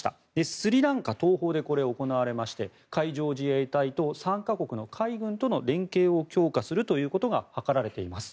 スリランカ東方で行われまして海上自衛隊と３か国の海軍との連携を強化するということが図られています。